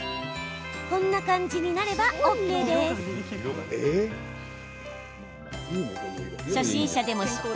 こんな感じになればＯＫです。